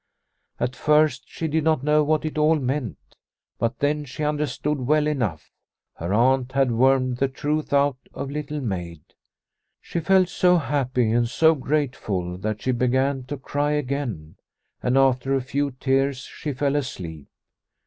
At first she did not know what it all meant, but then she understood well enough. Her aunt had wormed the truth out of Little Maid. She felt so happy and so grateful that she began to cry again, and after a few tears she fell asleep.